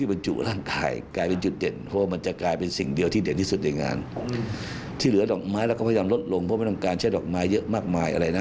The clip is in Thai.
เพราะไม่ต้องการใช้ดอกไม้เยอะมากมายอะไรนะ